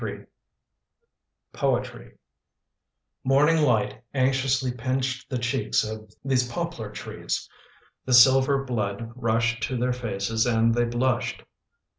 POETRY MORNING light anxiously pinched the cheeks of these poplar trees. The silver Mood rushed to their faces and they blushed.